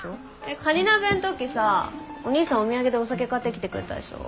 えっカニ鍋の時さお兄さんお土産でお酒買ってきてくれたでしょ？